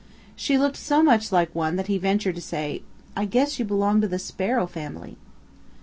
She looked so much like one that he ventured to say, "I guess you belong to the Sparrow family."